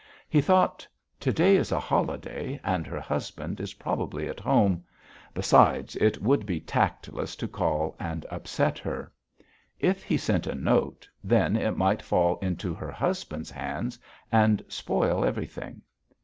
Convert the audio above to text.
He thought: "To day is a holiday and her husband is probably at home. Besides it would be tactless to call and upset her. If he sent a note then it might fall into her husband's hands and spoil everything.